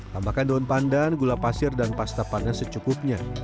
tambahkan daun pandan gula pasir dan pasta panas secukupnya